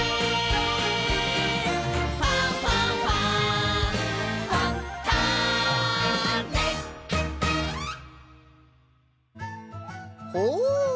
「ファンファンファン」ほう！